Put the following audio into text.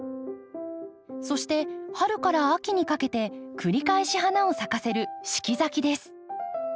そして春から秋にかけて繰り返し花を咲かせる四季咲きです。